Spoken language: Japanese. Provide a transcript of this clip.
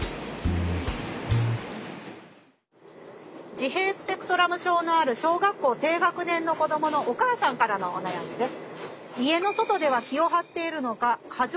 自閉スペクトラム症のある小学校低学年の子どものお母さんからのお悩みです。